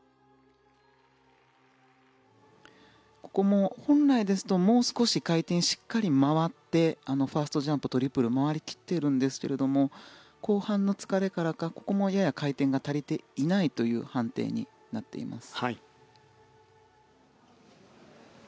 ここも本来ですともう少し回転をしっかり回ってファーストジャンプ、トリプルを回り切っているんですが後半の疲れからかここもやや回転が足りていないという判定になっています。